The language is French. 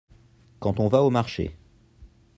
Quand on va au marché.